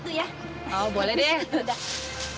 oh boleh deh